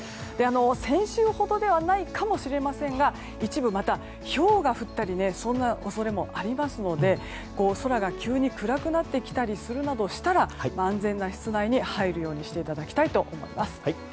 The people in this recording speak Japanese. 先週ほどではないかもしれませんが一部またひょうが降ったりする恐れもありますので空が急に暗くなってきたりするなどしたら安全な室内に入るようにしていただきたいと思います。